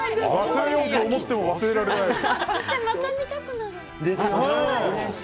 そしてまた見たくなる。